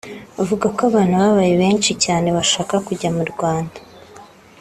bavuga ko abantu babaye benshi cyane bashaka kujya mu Rwanda